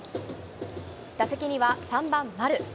打席には３番丸。